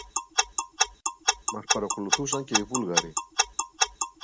Μας παρακολουθούσαν και οι Βούλγαροι